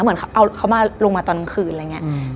เหมือนเขาเอาเขามาลงมาตอนกลางคืนอะไรอย่างนี้